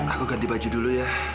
aku ganti baju dulu ya